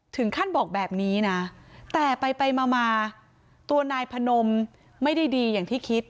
ถึงขั้นบอกแบบนี้นะแต่ไปมาตัวนายพนมไม่ได้ดีอย่างที่คิด